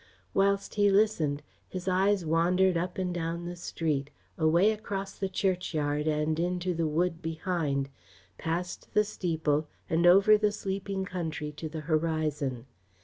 Whilst he listened, his eyes wandered up and down the street, away across the churchyard and into the wood behind, past the steeple and over the sleeping country to the horizon.